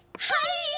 はい！